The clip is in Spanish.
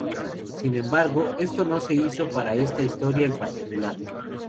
Sin embargo, esto no se hizo para esta historia en particular.